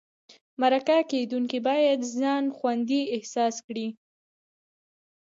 مرکه کېدونکی باید ځان خوندي احساس کړي.